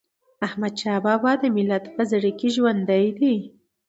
احمدشاه بابا د ملت په زړه کي ژوندی دی.